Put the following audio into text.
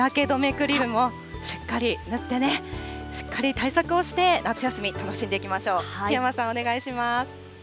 クリームもしっかり塗ってね、しっかり対策をして、夏休み楽しんでいきましょう。